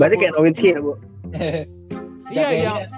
berarti kayak roti ya bu